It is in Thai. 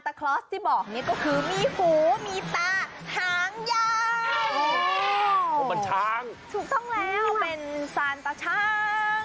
ถูกต้องแล้วเป็นซันตาช้าง